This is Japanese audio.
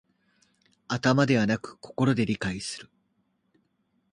頭ではなく心で理解する